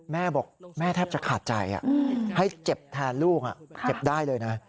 แม่บอกแม่แทบจะขาดใจให้เจ็บแทนลูกเจ็บได้เลยนะ